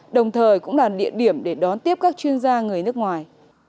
đồng thời cũng là địa điểm để đón tiếp các chuyên gia người nước ngoài